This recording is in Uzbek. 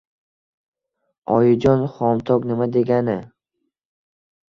Oyijon, xomtok nima degani-i